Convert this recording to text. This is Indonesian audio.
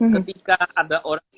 ketika ada orang